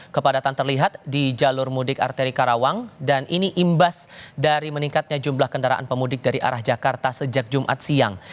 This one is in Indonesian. kepadatan terlihat di jalur mudik arteri karawang dan ini imbas dari meningkatnya jumlah kendaraan pemudik dari arah jakarta sejak jumat siang